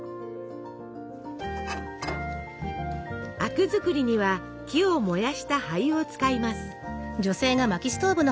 灰汁作りには木を燃やした灰を使います。